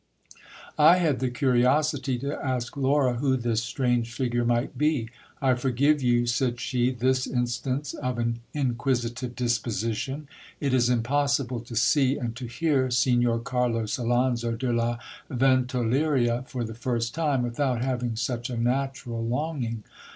I had the curiosity to ask I^ura who this strange figure might be I forgive you, said she, this instance of an inquisitive disposition. It is impossible to see and to hear Signor Carlos Alonso de la Ventoleria for the first time, with out having such a natural longing.